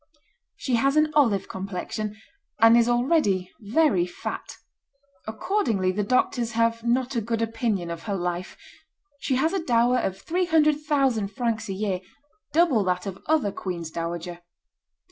She has an olive complexion, and is already very fat; accordingly the doctors have not a good opinion of her life. She has a dower of three hundred thousand francs a year, double that of other queens dowager.